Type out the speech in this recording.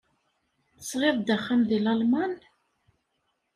Tesɣiḍ-d axxam deg Lalman?